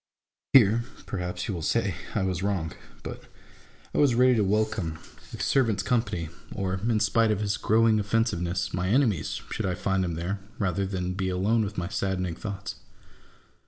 Here (perhaps you will say !) I was wrong : but I was ready to welcome a MY ENEMY AND MYSELF. 67 servant's company, or, in spite of his growing offensiveness, my enemy's, should I find him there, rather than be alone with my saddening thoughts.